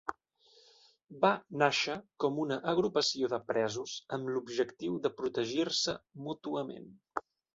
Va nàixer com una agrupació de presos amb l'objectiu de protegir-se mútuament.